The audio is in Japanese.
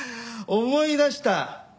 思い出した。